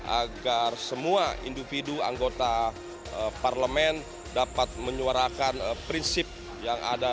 agar semua individu anggota parlemen dapat menyuarakan prinsip yang ada